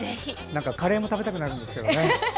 カレーも食べたくなるんですけどね。